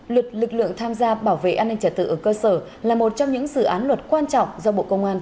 luật lực lượng tham gia bảo vệ an ninh trả tự ở cơ sở là một trong những dự án luật quan trọng do bộ công an